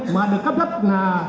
mà được cấp lấp là